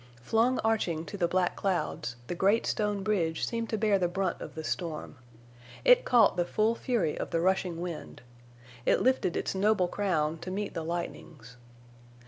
Flung arching to the black clouds, the great stone bridge seemed to bear the brunt of the storm. It caught the full fury of the rushing wind. It lifted its noble crown to meet the lightnings.